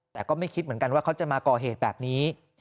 แต่ก็ไม่คิดเหมือนกันว่าเขาจะมาก่อเหตุแบบนี้